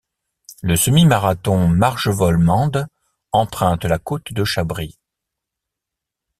Le semi-marathon Marvejols-Mende emprunte la côte de Chabrits.